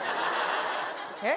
えっ？